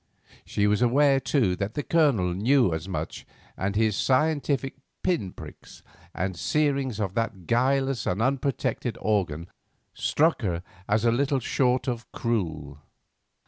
She was aware, too, that the Colonel knew as much, and his scientific pin pricks and searings of that guileless and unprotected organ struck her as little short of cruel.